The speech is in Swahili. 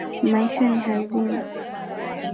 Maisha ni hazina.